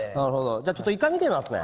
じゃあちょっと１回見てみますね。